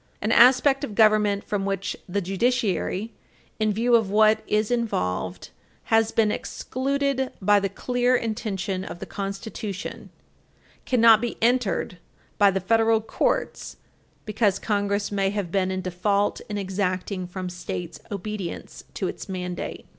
An aspect of government from which the judiciary, in view of what is involved, has been excluded by the clear intention of the Constitution cannot be entered by the federal courts because Congress may have been in default in exacting from States obedience to its mandate.